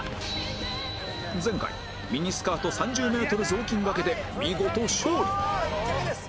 前回ミニスカート３０メートル雑巾掛けで見事勝利！